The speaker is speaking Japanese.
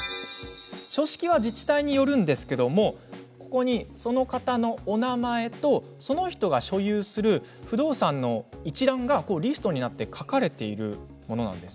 書式は自治体によるんですけれどもその方のお名前とその人が所有する不動産の一覧がリストになって書かれているものなんです。